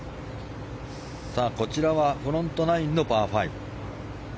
こちらはフロントナインのパー５。